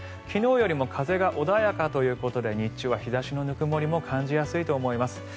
昨日よりも風が穏やかということで日中は日差しのぬくもりも感じやすいと思います。